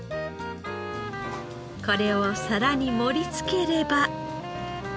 これを皿に盛り付ければ。